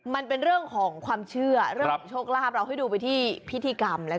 มันเป็นเรื่องของความเชื่อเรื่องโชคราบเราดูไปที่พิธีกรรม